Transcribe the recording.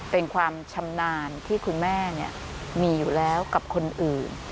เป็นความชำนาญที่คุณแม่มีอยู่แล้วกับคนอื่น